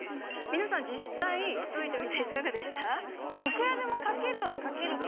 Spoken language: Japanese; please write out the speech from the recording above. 皆さん実際解いてみていかがでした？